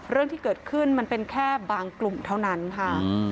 เรื่องที่เกิดขึ้นมันเป็นแค่บางกลุ่มเท่านั้นค่ะ